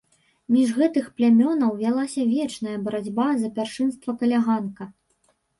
Між гэтых плямёнаў вялася вечная барацьба за пяршынства каля ганка.